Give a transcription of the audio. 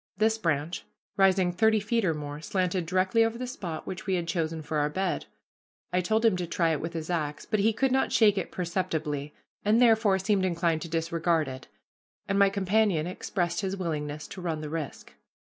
This branch, rising thirty feet or more, slanted directly over the spot which we had chosen for our bed. I told him to try it with his axe, but he could not shake it perceptibly, and, therefore, seemed inclined to disregard it, and my companion expressed his willingness to run the risk.